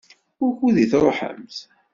Wukud i tṛuḥemt?